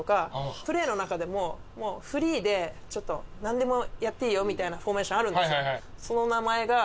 プレーの中でもフリーでなんでもやっていいよみたいなフォーメーションあるんですけどその名前が。